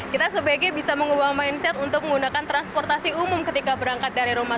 kita sebaiknya bisa mengubah mindset untuk menggunakan transportasi umum ketika berangkat dari rumah